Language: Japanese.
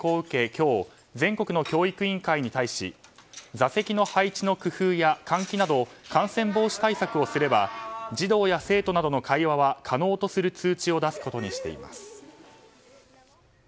今日、全国の教育委員会に対し座席の配置の工夫や換気など感染防止対策をすれば児童や生徒などの会話は可能とする通知を出すことにしています。